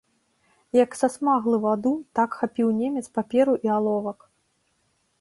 Як сасмаглы ваду, так хапіў немец паперу і аловак.